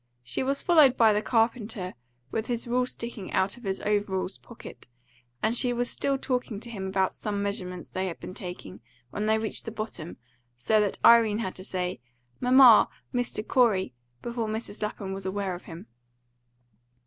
She was followed by the carpenter, with his rule sticking out of his overalls pocket, and she was still talking to him about some measurements they had been taking, when they reached the bottom, so that Irene had to say, "Mamma, Mr. Corey," before Mrs. Lapham was aware of him.